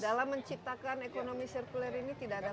dalam menciptakan ekonomi sirkuler ini tidak ada